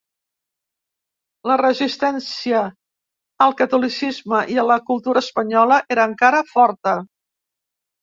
La resistència al catolicisme i a la cultura espanyola era encara forta.